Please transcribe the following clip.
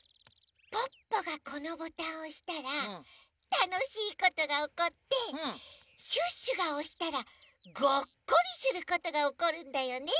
ポッポがこのボタンをおしたらたのしいことがおこってシュッシュがおしたらガッカリすることがおこるんだよね。